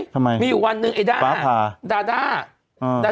ทำไมมีวันนึงไอ้ดิ้า